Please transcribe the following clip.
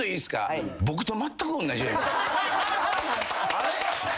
あれ？